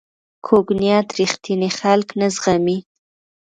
کوږ نیت رښتیني خلک نه زغمي